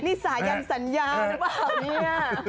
นี่สายันสัญญาหรือเปล่าเนี่ย